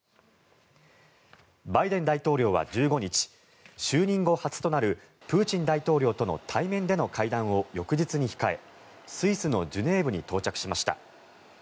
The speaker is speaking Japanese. バイデン大統領は１５日就任後初となるプーチン大統領との対面での会談を翌日に控えスイスのジュネーブに到着しました。